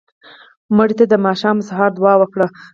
مړه ته د ماښام او سهار دعا وکړه